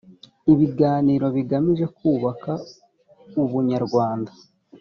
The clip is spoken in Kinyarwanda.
ibiganiro bigamije kubaka ubunyarwanda